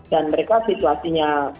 dan mereka situasinya